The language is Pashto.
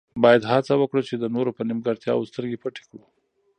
باید هڅه وکړو چې د نورو په نیمګړتیاوو سترګې پټې کړو.